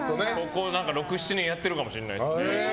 ６７年やってるかもしれないですね。